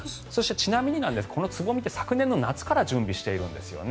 ちなみにつぼみって昨年の夏から準備しているんです。